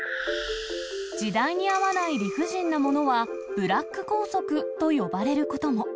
時代に合わない理不尽なものは、ブラック校則と呼ばれることも。